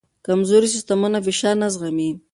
کمزوري سیستمونه فشار نه زغمي.